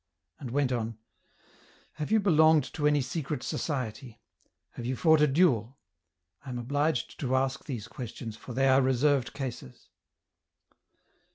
and went on, "Have you belonged to any secret society? have you fought a duel ?— I am obliged to ask these questions for they are reser\'ed cases."